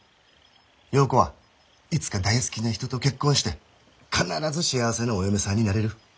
良子はいつか大好きな人と結婚して必ず幸せなお嫁さんになれる。